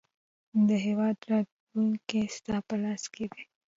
د هیواد راتلونکی ستا په لاس کې دی.